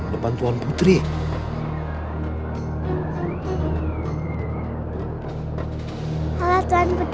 jangan lupa untuk berikan duit